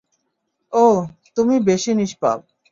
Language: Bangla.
ওহ, তুমি বেশি নিষ্পাপ।